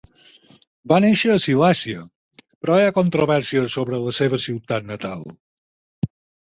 Va néixer a Silèsia, però hi ha controvèrsia sobre la seva ciutat natal.